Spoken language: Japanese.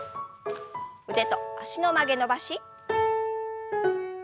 腕と脚の曲げ伸ばし。